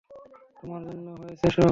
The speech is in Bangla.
তোমার জন্য হয়েছে সব।